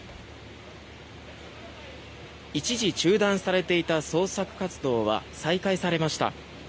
一時中断されていた捜索活動は再開されました。